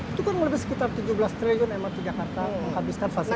itu kan lebih sekitar tujuh belas triliun mrt jakarta menghabiskan fasilitas